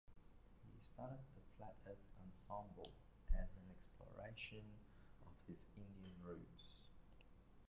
He started The Flat Earth Ensemble as an exploration of his Indian roots.